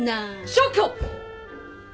消去！